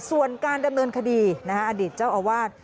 ส่วนการดำเนินคดีอดีตเจ้าอาวาส